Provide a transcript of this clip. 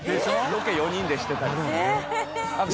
ロケ４人でしてたりすると。